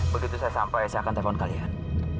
begitu saya sampai saya akan telepon kalian